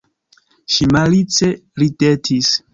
Ŝi malice ridetis.